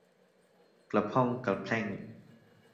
กะพร่องกะแพร่ง